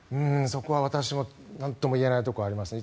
そこは私もなんとも言えないところがありますね。